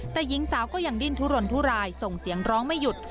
แต่หญิงสาวก็ยังดิ้นทุรนทุรายส่งเสียงร้องไม่หยุด